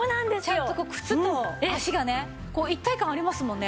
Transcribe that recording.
ちゃんとこう靴と足がねこう一体感ありますもんね。